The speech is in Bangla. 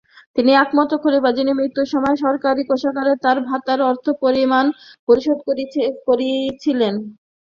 তিনি একমাত্র খলিফা যিনি মৃত্যুর সময় সরকারি কোষাগারে তার ভাতার অর্থ পরিমাণ পরিশোধ করেছিলেন।